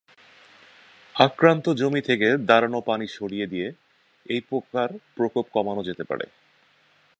আক্রান্ত জমি থেকে দাঁড়ানো পানি সরিয়ে দিয়ে এই পোকার প্রকোপ কমানো যেতে পারে।